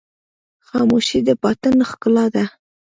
خاموشي، د باطن ښکلا ده.